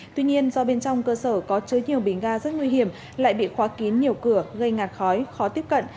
tuy nhiên do bên trong cơ sở có chứa nhiều bình ga rất nguy hiểm lại bị khóa kín nhiều cửa gây ngạt khói khó tiếp cận